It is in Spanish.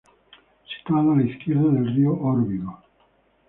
Situado a la izquierda del río Órbigo.